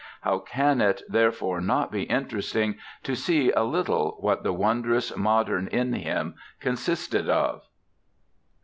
How can it therefore not be interesting to see a little what the wondrous modern in him consisted of?